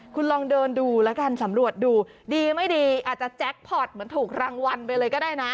คุณลองเดินดูแล้วกันสำรวจดูดีไม่ดีอาจจะแจ็คพอร์ตเหมือนถูกรางวัลไปเลยก็ได้นะ